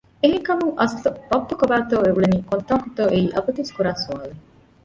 އެހެންކަމުން އަސްލު ބައްޕަ ކޮބައިތޯ އުޅެނީ ކޮންތާކުތޯ އެއީ އަބަދުވެސް ކުރާސުވާލެއް